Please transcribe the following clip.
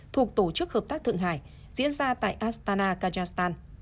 thuộc tổ chức hợp tác thượng hải diễn ra tại astana kazakhstan